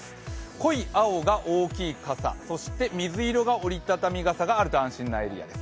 濃い青が大きい傘、そして水色が折り畳み傘があると安心なエリアです。